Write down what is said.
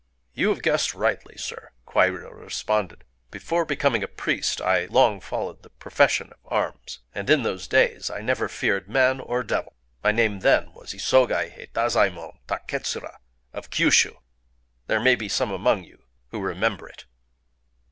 "You have guessed rightly, Sir," Kwairyō responded. "Before becoming a priest, I long followed the profession of arms; and in those days I never feared man or devil. My name then was Isogai Héïdazaëmon Takétsura of Kyūshū: there may be some among you who remember it."